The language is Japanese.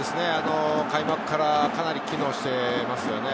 開幕からかなり機能してますよね。